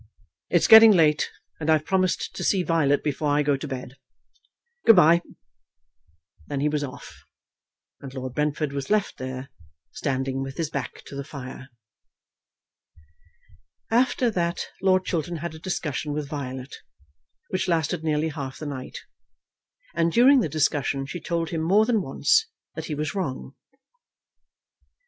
"It's getting late, and I've promised to see Violet before I go to bed. Good bye." Then he was off, and Lord Brentford was left there, standing with his back to the fire. After that Lord Chiltern had a discussion with Violet, which lasted nearly half the night; and during the discussion she told him more than once that he was wrong.